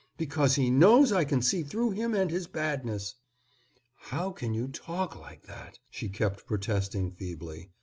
Because he knows I can see through him and his badness." "How can you talk like that?" she kept protesting feebly.